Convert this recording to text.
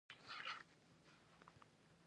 د شین چای خوند آرام بښونکی دی.